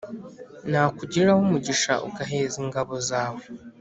nakugiriraho umugisha ugaheza ingabo zawe